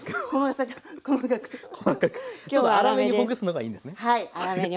細かくちょっと粗めにほぐすのがいいんですね。